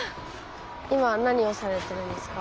今何をされてるんですか？